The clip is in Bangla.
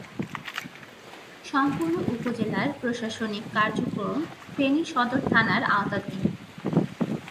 সম্পূর্ণ উপজেলার প্রশাসনিক কার্যক্রম ফেনী সদর থানার আওতাধীন।